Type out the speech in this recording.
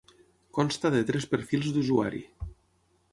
Consta de tres perfils d'usuari.